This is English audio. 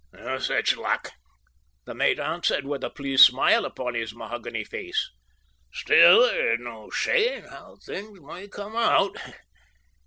"No such luck!" the mate answered, with a pleased smile upon his mahogany face, "still, there's no saying how things may come out.